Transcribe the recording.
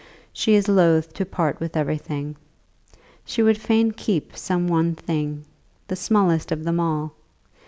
She is loth to part with everything. She would fain keep some one thing, the smallest of them all.